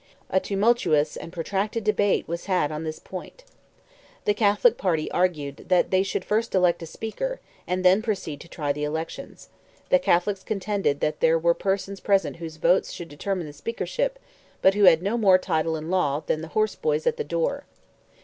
A tumultous and protracted debate was had on this point. The Castle party argued that they should first elect a Speaker and then proceed to try the elections; the Catholics contended that there were persons present whose votes would determine the Speakership, but who had no more title in law than the horseboys at the door.